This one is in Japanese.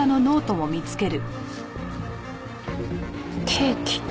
ケーキ。